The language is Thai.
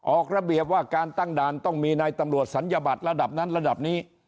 ออกระเบียบว่าการตั้งด่านต้องมีนายตำรวจศัลยบัตรระดับนั้นระดับนี้